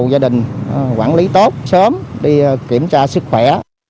giáo dục gia đình quản lý tốt sớm đi kiểm tra sức khỏe